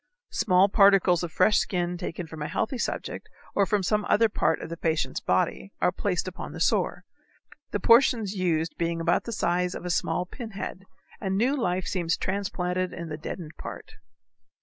Small particles of fresh skin taken from a healthy subject or from some other part of the patient's body are placed upon the sore, the portions used being about the size of a small pinhead, and new life seems transplanted in the deadened part.